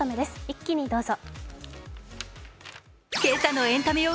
一気にどうぞ。